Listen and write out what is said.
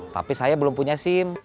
tapi saya belum punya sim